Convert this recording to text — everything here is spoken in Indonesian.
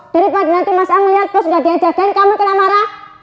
daripada nanti mas am melihat pos gak diajakin kamu kena marah